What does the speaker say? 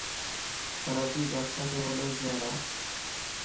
ڪراچي پاڪستانءَ جو وڏو شھر ا